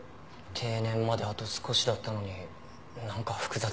定年まであと少しだったのになんか複雑ですよね。